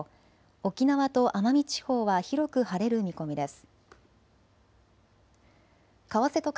沖縄と奄美地方は広く晴れる見込みです。